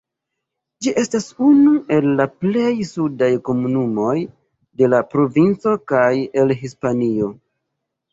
Ĝi estas unu el la plej sudaj komunumoj de la provinco kaj el Hispanio.